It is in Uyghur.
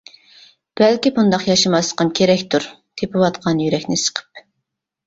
بەلكى بۇنداق ياشىماسلىقىم كېرەكتۇر تېپىۋاتقان يۈرەكنى سىقىپ!